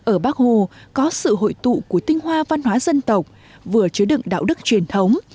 ở bắc hồ có sự hội tụ của tinh hoa văn hóa dân tộc vừa chứa đựng đạo đức truyền thống